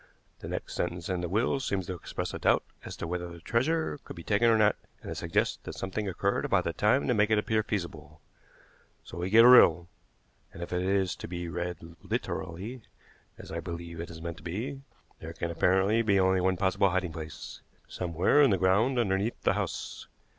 The next sentence in the will seems to express a doubt as to whether the treasure could be taken or not, and I suggest that something occurred about that time to make it appear feasible. So we get a riddle, and if it is to be read literally, as I believe it is meant to be, there can apparently be only one possible hiding place somewhere in the ground underneath the house.